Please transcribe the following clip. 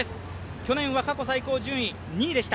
去年は過去最高順位２位でした。